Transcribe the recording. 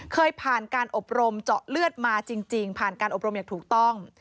เคยผ่านการอบรมเจาะเลือดมาจริงผ่านการอบรมอย่างถูกต้อง